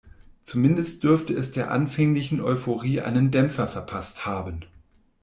Zumindest dürfte es der anfänglichen Euphorie einen Dämpfer verpasst haben.